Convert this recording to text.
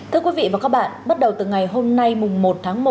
thưa quý vị và các bạn bắt đầu từ ngày hôm nay mùng một tháng một